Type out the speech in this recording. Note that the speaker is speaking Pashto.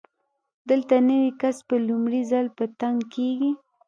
دلته نوی کس په لومړي ځل په تنګ کېږي.